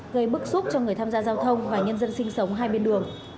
gây bức xúc cho người tham gia giao thông và nhân dân sinh sống hai bên đường